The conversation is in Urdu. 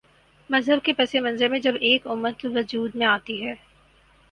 مذہب کے پس منظر میں جب ایک امت وجود میں آتی ہے۔